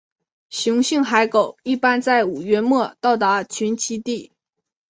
雄性海狗一般在五月末到达群栖地。